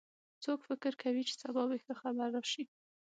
څوک فکر کوي چې سبا به ښه خبر راشي